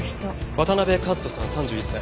渡辺和登さん３１歳。